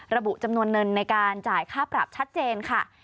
ระบุจำนวนเงินในการจ่ายค่าปรับชัดเจนค่ะ